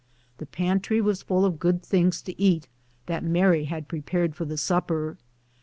The pantry was full of good things to eat that Mary had prepared for the supper.